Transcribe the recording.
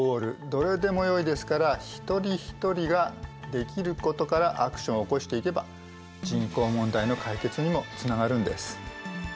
どれでもよいですから一人ひとりができることからアクションを起こしていけば人口問題の解決にもつながるんです。